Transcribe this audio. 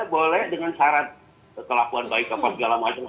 boleh dengan syarat kelakuan baik ke pasgala mahasiswa